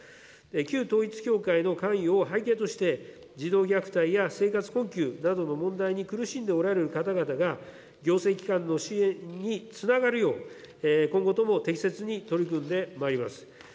旧統一教会の関与を背景として、児童虐待や生活困窮などの問題に苦しんでおられる方々が、行政機関の支援につながるよう、今後とも適切に取り組んでまいります。